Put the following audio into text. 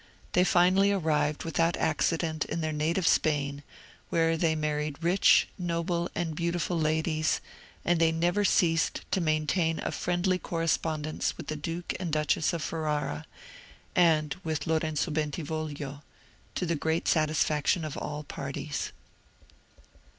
They finally arrived without accident in their native Spain, where they married rich, noble, and beautiful ladies; and they never ceased to maintain a friendly correspondence with the duke and duchess of Ferrara, and with Lorenzo Bentivoglio, to the great satisfaction of all parties.